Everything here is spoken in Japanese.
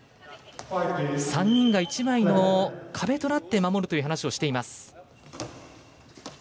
３人が１枚の壁となって守るという話をしています。